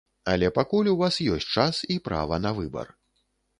Але пакуль у вас ёсць час і права на выбар.